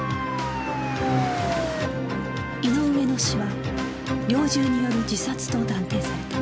井上の死は猟銃による自殺と断定された